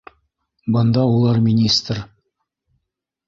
Бында улар министр.